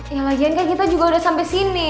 ya lagian kan kita juga udah sampe sini